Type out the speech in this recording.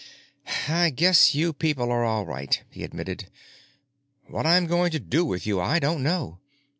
"I guess you people are all right," he admitted. "What I'm going to do with you I don't know.